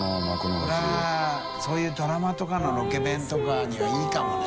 海譴そういうドラマとかのロケ弁とかにはいいかもね。